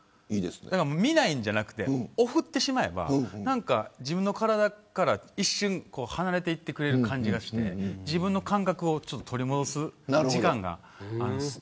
見ないんじゃなくてオフってしまえば自分の体から一瞬離れていってくれる感じがして自分の感覚を取り戻す時間があります。